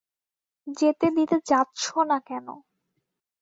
যেতে দিতে যাচ্ছো না কেন?